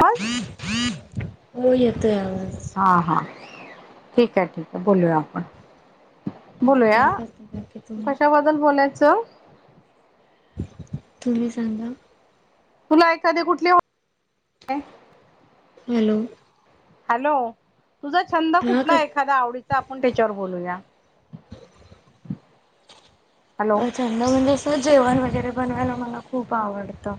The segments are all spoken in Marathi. पाच हो येतोय आवाज. हा हा ठीक आहे ठीक आहे बोलूया आपण. हम बोलूया काय करता काकी तुम्ही. [unintelligible] तुम्ही सांगा. तुला एखादि कुठली हॅलो. हॅलो तुझा छंद हा का कुठला एखादा आवडीचा आपण त्याच्यावर बोलूया. हॅलो अ छंद म्हणजे असं जेवण वगैरे बनवायला मला खूप आवडतं.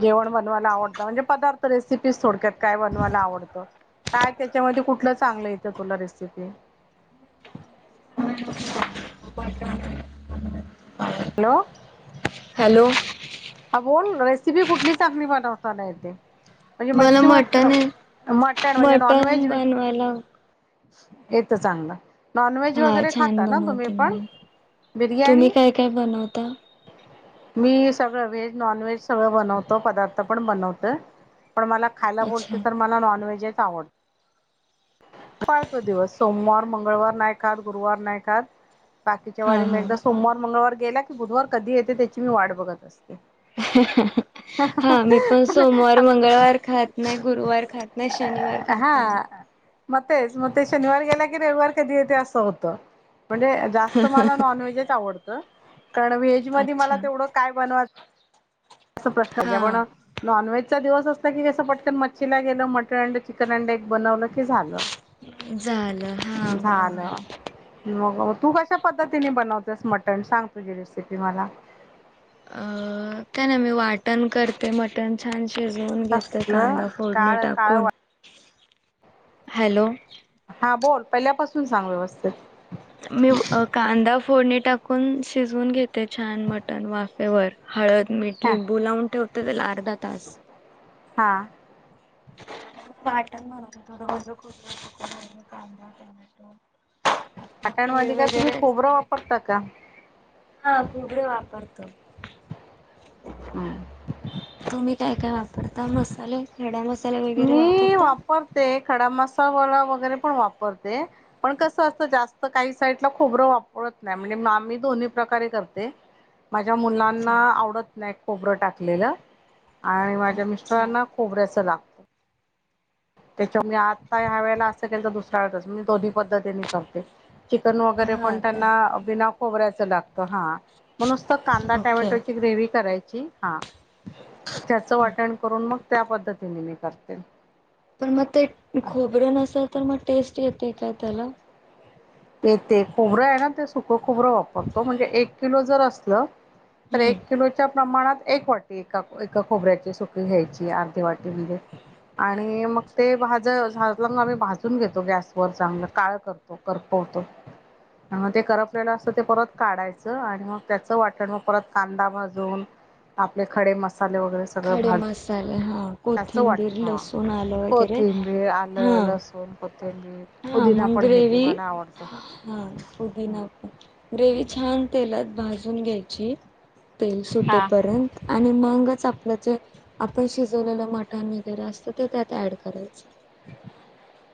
जेवण बनवायला आवडतं म्हणजे पदार्थ रेसिपी थोडक्यात काय बनवायला आवडत? काय त्याच्यामध्ये कुठलं चांगलं येतं तुला रेसिपी? [inaudible] हॅलो. हॅलो. अ बोल रेसिपी कुठली चांगणी बनवताना येतेे? म्हणजे मला मच्छी मट मटन आहे मटन नॉन वेज मटन बनवायला येत चांगलं. नॉन व्हेज हा वगैरे छान खाता ना तुम्ही बनवते पण? मी तुम्ही बिर्याणी काय काय बनवता मी स व्हेज नॉन व्हेज सगळं बनवतो पदार्थ पण बनवत पण मला खायला अच्छा बोलते तर मला नॉनव्हेजच आवड. पाळतो दिवस सोमवार, मंगळवार नाही खात गुरुवार नाही खात बाकीच्या हा वारी मी हा एकदा सोमवार, मंगळवार गेला की बुधवार कधी येते त्याची मी वाट बघत असते. ह [inaudible] हा मी पण सोमवार, मंगळवार खात नाही, गुरुवार खात नाही, शनिवार खात नाही. हा मग तेच मग ते शनिवार गेला की रविवार कधी येते असं होत. म्हणजे जास्त मला नॉन व्हेजच आवडतं कारण व्हेज मध्ये मला अच्छा तेवढं काय बनवायचं अस प्रश्न आहे ज पण हा नॉनव्हेजचा दिवस असता की कसं पटकन मच्छीला गेलो, मटण चिकन अंड एक बनवलं की झालं, झालं हा बरोबर झालं. मग तू कशा पद्धतीने बनवतेस मटन सांग तुझी रेसिपी मला? अ काय नाही मी वाटण करते मट न छान शिजवून घेते कसलं कांदा फोडणी काळ काळ टाकून. हॅलो. हा बोल पहिल्यापासून सांग व्यवस्थेतीत. मी कांदा फोडणी टाकून शिजवून घेते छान मटण वाफ हळद, मीठ, हा लिंबू लावून ठेवते त्याला अर्धा तास हा. वाटण बनवताना ओल खोबर, कांदा, टोमॅटो आपलं तीळ वाटणमध्ये काय तुम्ही वगैरे खोबरं वापरता का? हा खोबरे वापरतो. हम्म. तुम्ही? काय, काय वापरता मसाले खडा मसाले वगैरे वापरता? ते खडा मसावाला वगैरे पण वापरते. पण कसं असतं जास्त काही साईडला खोबर वापरत नाही म्हणजे मी दोन्ही प्रकारे करते. ह [inaudible] माझ्या अच्छा मुलांना आवडत नाही खोबरं टाकलेलं आणि माझ्या अच्छा मिस्टरांना खोबऱ्याच ला त्याच्यामुळे आता ह्या वेळेला असं केल तर दुसऱ्या वेळेच मी दोन्ही पद्धतीने करते. चिकन वगैरे पण हा का त्यांना बिना खोबऱ्याचं लागत हा. म्हणुसत कांदा ओके टमॅटोची ग्रेव करायची हा त्याचं हो वाटण करून मग त्या पद्धतीने मी करते. पण मग ते खोबरं नसेल तर मग टेस्ट येते का त्याला? येते खोबरं आहे ना ते सुकं खोबरं वापरतो म्हणजे एक किलो जर असल तर हम्म. एक किलो च्या प्रमाणात एक वाटी एका, एका खोबऱ्याची सुकी घ्यायची अर्धी वाटी म्हणजे. आणि मग ते भाज मग आम्ही भाजून घेतो गॅसवरर चांगलं काळ करतो करो. होतो. आणि मग ते करपलेलं असतं ते परत काढायचं. आणि मग त्याचं वाटण मग परत कांदा भाजून, आपले खडे मसाले वगैरे सगळं खडे भाजून मसाले हा. त्याचं कोथिंबीर वाटण हा लसूण आलं वगैरे कोथिंबीर हा. आलं लसूण कोथिंबीर हा पुदिना मंगं पण घेते ग्रेवी मला आवडतो हां पुदिना. ग्रेवी छान तेलात भाजून घ्यायची तेल हा सुटेपर्यंत आणि मगच आप त्या ज आपण शिजवलेलं मटण वगैरे असतं ते त्यात ऍड करायचं.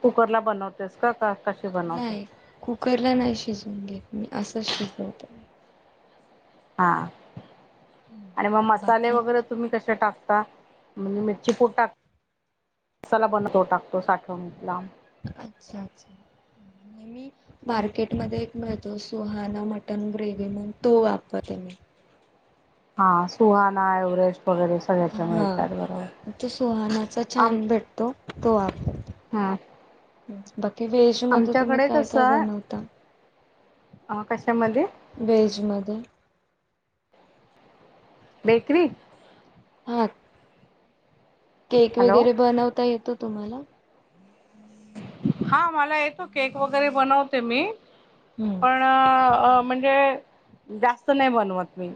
कुकर ला बनवतेस का कशात. नाही कुकरला नाही शिजून घेत मी असंच शिजवत. हा आणि मग मसाले बाकी वगैरे तुम्ही कशा टाकता म्हणजे मिरची पूट टाकता. कसाला बनतो टाकतो साठवण लांब अच्छा अच्छा. [unintelligible] मार्केटमध्येध्ये एक मिळतो सुहाना मटन ग्रेव म्हण तो वापरते मी. हा सुहाना एव्हरेस्ट वगैरे सगळ्याच्या हा मिळतात बरोबर तो सुहानाचा आम छान भेटतो तो वापरते. हम्म बाकी वेज. तुम्ही आमच्याकडे काय कसं काय आहे बनवता कशामध्ये वेज मध्ये. बेकरी. आठ. केक हॅलो वगैरे बनवता येतो तुम्हाला? हा मला येतो केक वगैरे बनवते मी. हम्म. पण म्हणजे जास्त नाही बनवत मी.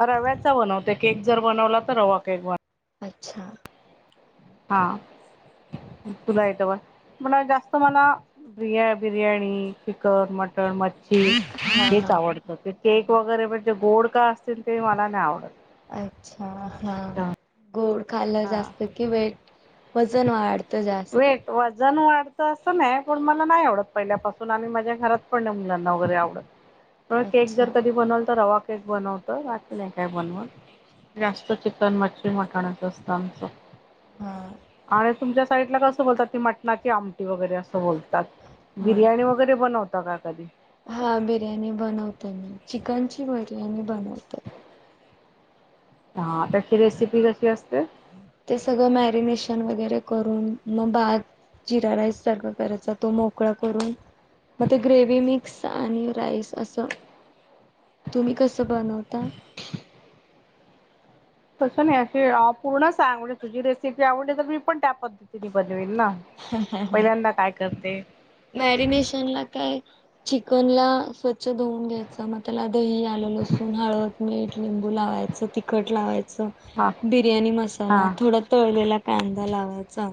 रव्याचा बनवते केक जर बनवला तर रवा केक बनवते. अच्छा. हा तुला यट पण म जास्त मला. बिया बिर्याणी चिकन मटन मच्छी, हा ची हेच हा आवडतं ते केक वगैरे म्हणजे गोड का असतील ते मला नाही आवडत. अच्छा हा गोड खायला हा जास्त कि वेट वजन वाढतं जास्त. वेट वजन वाढतं असं नाही पण मला नाही आवडत पहिल्यापासून आणि माझ्या घरात पण मुलांना वगैरे आवडत. केक जर अच्छा कधी बनल तर रवा केक केक बनवत वाट नाही काय बनव जास्त चिकन मच्छी मटणच असतं आमचं. हा. आणि तुमच्या साइड ला कसं बोलतात ती मटणाची आमटी वगैरे असं बोलतात हा बिर्याणी वगैर वगैरे बनवता का कधी? हा बिर्याणी बनवत मी चिकन ची बिर्याणी बनवत. हा त्याची रेसिपी कशी असते. ते सगळं मॅरिनेशन वगैरे करून मग भात जिरा राईस सर्व करायचा तो मोकळा करून. मग ते ग्रेवि मिक्सआणि राईस असं. तुम्ही कसं बनवता? तसं नाही अशे पूर्ण सांग, तुझी रेसिपी आवडली तर मी पण त्या पद्धतीने बनवेल ना. हा, हा, हा. पहिल्यांदा काय करते मॅरिनेशनला काय चिकनला स्वच्छ धुऊून घ्यायचं, मग त्याला दही ऍड लसून, हळद, मीठ, लिंबू लावायचं तिखट लावायचं. हा बिर्याणी हा मसाला, थोडा तळलेला कांदा लावायचा.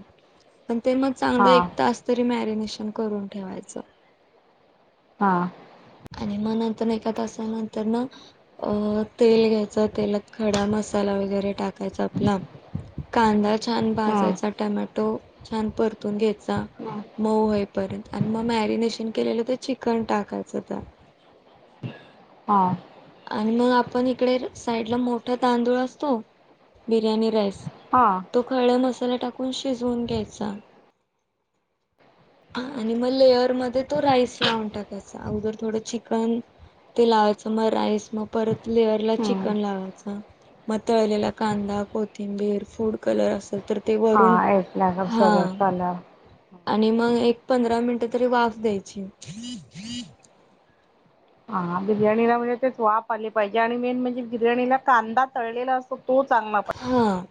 पण ते मग चांगलं हा एक तास तरी मॅरिनेशन करून ठेवायचं. हा. आणि म नंतर एका तासानंतरन अ, तेल घ्यायचं तेलात खडा मसाला वगैरे टाकायचा आपला. कांदा छान हम्म. भाजायचा, टमॅटो छान परतून घ्यायचा. मऊ होई पर्यंत, आणि मग मॅरिनेशन केलेलं ते चिकन टाकायचं. त्यात हा. आणि मग आपण इकडे साईडला मोठा तांदूळ असतो. बिर्याणी राईस हां. तो खडा मसाला टाकून शिजवून घ्यायचा. [unintelligible] आणि मग लेअर मध्ये तो राईस लावून टाकायचा. अगोदर थोडं चिकन ते लावायचं, मग राईस मग परत लेअरला हम्म. चिकन लावायच. मग तळलेला कांदा, कोथिंबीर, फूड कलर असल तर ते हा वरून ऐकला का सगळं हा. कलर आणि मग एक पंधरा मिनटं तरी वाफ द्यायची. हा, बिर्याणीला म्हणजे तेच वाप आली पाहिजे, आणि मेन म्हणजे बिर्याणीला कांदा तळलेला असत तो, चांगला पा हां.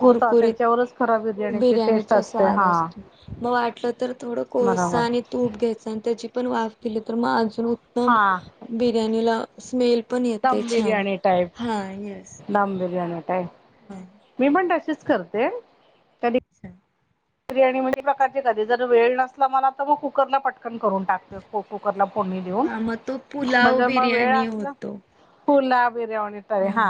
कुरकुरीत, त्याच्यावरच खरा बिर्याणीची टेस्ट बिर्याणीचा असते स्वाद हा. असतो, मग वाटलं तर थोडं कोळसा बरोबर आणि तूप घ्यायच, आणि त्याची पण वाफ केली तर म अजून उत्तम हा बिर्याणीला स्मेल पण येतय दम छान. बिर्याणी टाईप हा येस. दम बिर्याणी होते, हा मी पण तशीच करते. कधी अच्छा. बिर्याणी म्हणे प्रकारची कधी, जर वेळ नसला मला तर मग कुकरला पटकन करून टाकते. कुकरला फोडणी देऊन, हा मग तो म्हणज पुलाव म वेळ बिर्याणी असला होतो. फुलाव बिर्यावणी तरी हा,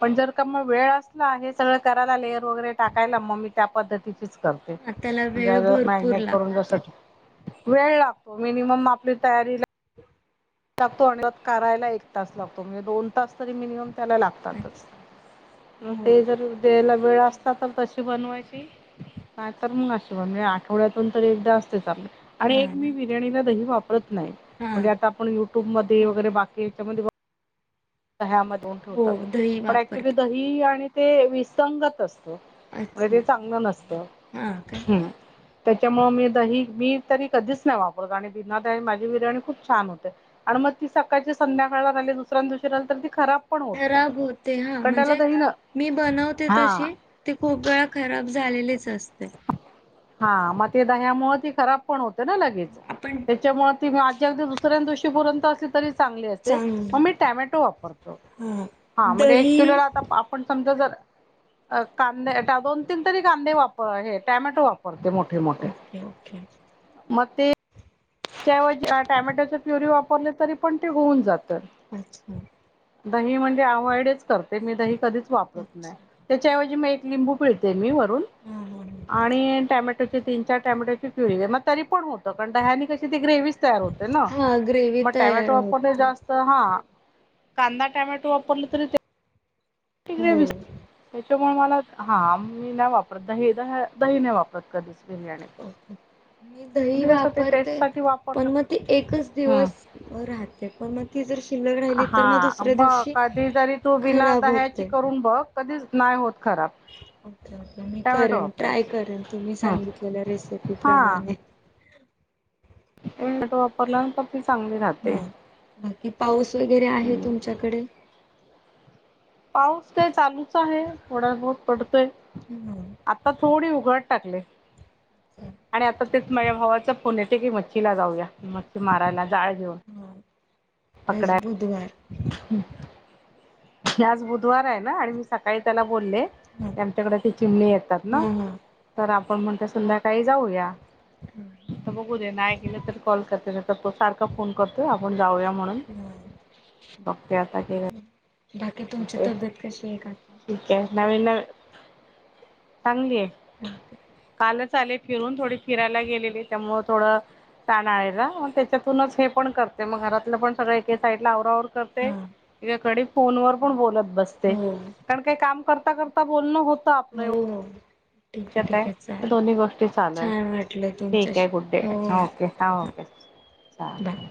पण जर मग वेळ असला, हे सगळं करायला लेअर वगैरे टाकायला मग मी त्या पद्धतीच हा त्याला म्हणजे वेळ अगं भरपूर मॅगिनेट करून लागतो. बसत. वेळ लागतो मिनिमम आपली तयारीला लागतो आणि करायला एक तास लागतो, म्हणजे दोन तास तरी मिनिमम त्याला लागतो. अच्छा असतातचं, मग हो ते जर द्यायला वेळ असता तर तशी बनवायची. नाही तर मग अशी बा, मी आठवड्यातून तर एकदा असतेच आपले. आणि हा एक ना मी बिर्याणीला दही वापरत नाही, हा म्हणजे आता युट्यूबमध्ये वगैरे बाकी याच्यामध्ये, दह्यामध्ये हो ठेवतात, दही पण ऍक्च्युली वापरत दही आणि ते विसंगतच. म, अच्छा ते चांगलं नसत. हा काय हम्. त्याच्यामुळे मी दही मी तरी कधीच नाही वापरत आणि बिना दही माझी बिर्याणी खूप छान होती. आणि मग ती सकाळच्या संध्याकाळला राहिली दुसऱ्या दिवशी राहीली तर ती खराब पण होत नाही खराब होते. हा कारण त्याला म्हणजे दही न मी बनवते हां तशी ती खूप वेळा खराब झालेलीच असते. हा मग ते दह्यामुळे ती खराब पण होते ना लगेच आपण त्याच्यामुळ ती मी आजी अदी दुसऱ्या दिवशी पुरयंत असली तरी, चांगली असते, चांगल मग मी टोमॅटो वापरतो. हा हा म्हणजे एक दही किलोला आता पण समजा जर कांदे दोन तीन तरी कांदे वापर आहे टॅमॅटो वापर. मोठे-मोठे ओके ओके मग ते च्या ऐवजी टॅमॅटोच्या प्युरी वापरले तरी पण ते होऊन जातात. अच्छा दही म्हणजे अव्हॉइड च करते. मी दही कधीच वापरत नाही. अच्छा त्याच्याऐवजी मी एक लिंबू पिळते मी वरून हा हा आणि टॅमॅटो ते तीन चार टोमॅटोची प्युरी तरी पण होत दह्यानी कशी ती ग्रेव्हीच तयार होते ना हा ग्रेवी मग तयार टोमॅटो वापरले होते जास्त हा कांदा टोमॅटो वापरला तरी ती ग्रेव्ही हो [unintelligible] त्यामुळे मला हा मी नाही वापरत दही द दही नाही वापरत कधीच बिर्याणीत. मी दही म्हणजे कसं ते टेस्ट वापरते साठी पण वापरलं मग ती एकच हम्म दिवस राहते. पण मग ती जर शिल्लक राहिली तर मग हा दुसऱ्या बघ दिवशी कधी जरी तू बिना खराब दह्याची होते. करून बघ कधीच नाही होत खराब. ओके-ओके मी टॅमॅटो करेन ट्राय वापरायचे करेन तुम्ही हम्म सांगितलेल्या रेसिपी प्रमाणे. टोमॅटो वापरला तर ती चांगली राहते. हा बाकी पाऊस वगैरे आहे हम्म तुमच्याकडे पाऊस काय चालूच आहे थोडा बहुत पडतोय. हम्म आता थोडी उघड टाकले. [unintelligible] आणि आता तेच माझ्या भावाचा फोन येते की मच्छीला जाऊया मच्छी मारायला जाळ घेऊन. हा आज पकडा. बुधवार म आज बुधवार आहे ना आणि मी सकाळी त्याला बोलले. हा आमच्याकडे ते चिमणी येतात ना हा हा तर मग म्हटल संध्याकाळी जाऊया. हा आता बघू दे नाही गेल तर कॉल करते तर तो सारखा फोन करतोय आपण जाऊया म्हूणन. बगते आता हे- बाकी तुमची तब्येत कशी आहे काकी. ठीक आहे. नवीन नवी चांगली आहे. कालच आले फिरून. थोडी फिरायला गेलेले. त्यामुळ थोड ताणाळेला मग त्याच्यातूनच हे पण करते मग घरातल पण सगळ एके साइडला आवरावर करते. हा इकडी फोन वर पण बोलत बसते. हम् कारण काही काम करता-करता बोलण हो हो ठीक त्याच्यात ठीक आहे. चालेल. दोन्ही गोष्टी चालू आहे. छान वाटलं ठीक आहे. तुमच्याशी गुड डे हो ओके हा ओके. बाय चालतंय